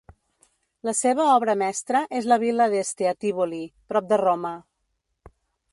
La seva obra mestra és la Vil·la d'Este a Tívoli, prop de Roma.